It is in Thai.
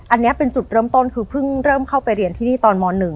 อันนี้เป็นจุดเริ่มต้นคือเพิ่งเริ่มเข้าไปเรียนที่นี่ตอนม๑